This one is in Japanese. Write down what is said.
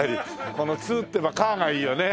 このツーって言えばカーがいいよね。